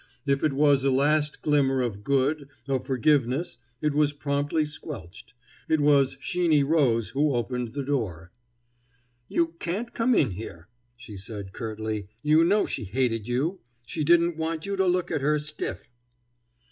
If it was a last glimmer of good, of forgiveness, it was promptly squelched. It was Sheeny Rose who opened the door. "You can't come in here," she said curtly. "You know she hated you. She didn't want you to look at her stiff."